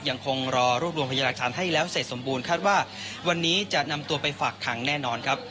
ยังคงรอรวบรวมพยาหลักฐานให้แล้วเสร็จสมบูรณคาดว่าวันนี้จะนำตัวไปฝากขังแน่นอนครับ